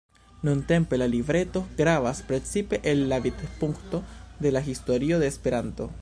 Nuntempe la libreto gravas precipe el la vidpunkto de la historio de Esperanto.